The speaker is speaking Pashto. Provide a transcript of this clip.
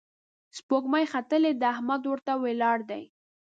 سپوږمۍ ختلې ده، احمد ورته ولياړ دی